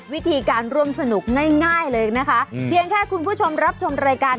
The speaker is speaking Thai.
วิธีการร่วมสนุกง่ายเลยนะคะเพียงแค่คุณผู้ชมรับชมรายการ